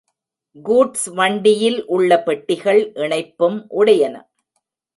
Goods வண்டியில் உள்ள பெட்டிகள் இணைப்பும் உடையன.